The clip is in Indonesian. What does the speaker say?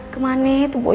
kemana itu bocah